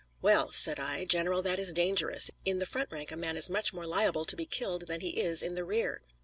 "Well," said I, "General, that is dangerous; in the front rank a man is much more liable to be killed than he is in the rear."